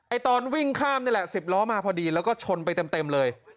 ตอนวิ่งข้ามนี่แหละ๑๐ล้อมาพอดีแล้วก็ชนไปเต็มเลย